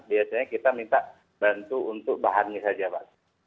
biasanya kita minta bantu untuk bahan saja pak